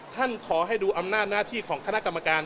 ขอให้ดูอำนาจหน้าที่ของคณะกรรมการ